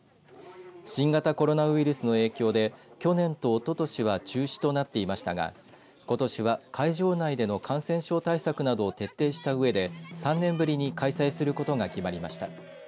新型コロナウイルスの影響で去年とおととしは中止となっていましたがことしは会場内での感染症対策などを徹底したうえで３年ぶりに開催することが決まりました。